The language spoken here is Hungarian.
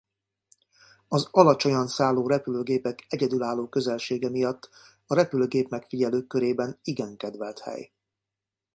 Az alacsonyan szálló repülőgépek egyedülálló közelsége miatt a repülőgép-megfigyelők körében igen kedvelt hely.